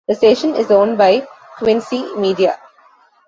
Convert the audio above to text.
The station is owned by Quincy Media.